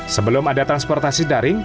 sebelum ada transportasi daring